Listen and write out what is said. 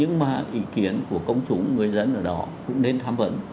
những ý kiến của công chúng người dân ở đó cũng nên thám vấn